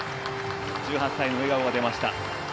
１８歳の笑顔が出ました。